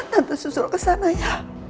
tante susul kesana ya